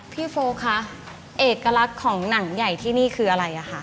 โฟคะเอกลักษณ์ของหนังใหญ่ที่นี่คืออะไรอ่ะคะ